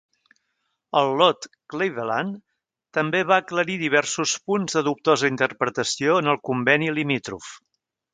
El Laude Cleveland també va aclarir diversos punts de dubtosa interpretació en el conveni limítrof.